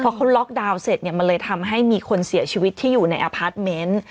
พอเขาล็อกดาวน์เสร็จเนี่ยมันเลยทำให้มีคนเสียชีวิตที่อยู่ในอพาร์ทเมนต์